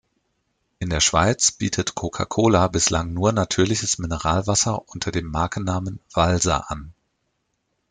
In der Schweiz bietet Coca-Cola bislang nur natürliches Mineralwasser unter dem Markennamen Valser an.